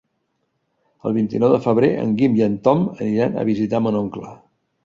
El vint-i-nou de febrer en Guim i en Tom aniran a visitar mon oncle.